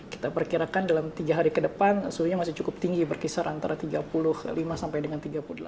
kita perkirakan dalam tiga hari ke depan suhunya masih cukup tinggi berkisar antara tiga puluh lima sampai dengan tiga puluh delapan